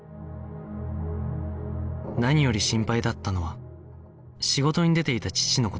何より心配だったのは仕事に出ていた父の事